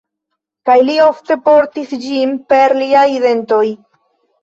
Kaj li ofte portis ĝin per liaj dentoj.